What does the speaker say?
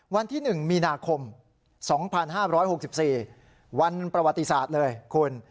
วันที่๑มีนาคม๒๕๖๔วันประวัติศาสตร์เลยคุณ